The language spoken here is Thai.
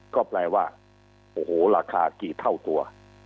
ก็แปลว่าโอ้โหราคากี่เท่าตัว